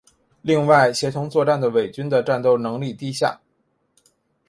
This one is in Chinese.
另外协同作战的伪军的战斗能力低下。